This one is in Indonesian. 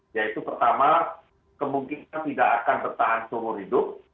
yaitu pertama kemungkinan tidak akan bertahan seumur hidup